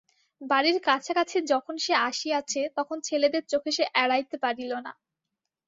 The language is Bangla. বাড়ির কাছাকাছি যখন সে আসিয়াছে তখন ছেলেদের চোখে সে এড়াইতে পারিল না।